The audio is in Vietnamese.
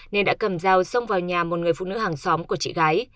nên đã cầm dao xông vào nhà một người phụ nữ hàng xóm của chị gái